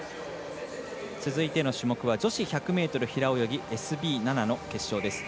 続いての種目は女子１００ｍ平泳ぎＳＢ７の決勝です。